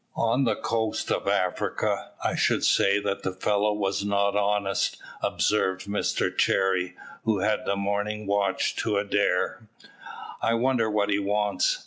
"On the coast of Africa, I should say that the fellow was not honest," observed Mr Cherry, who had the morning watch, to Adair; "I wonder what he wants."